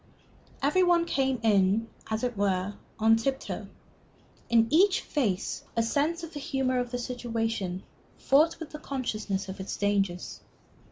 Every one came in, as it were, on tiptoe. In each face a sense of the humor of the situation fought with the consciousness of its dangers.